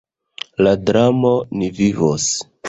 La dramo "Ni vivos!